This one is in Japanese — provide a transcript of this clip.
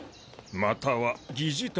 または疑似体験。